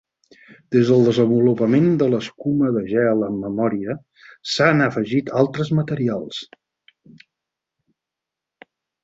Des del desenvolupament de l'escuma de gel amb memòria, s'han afegit altres materials.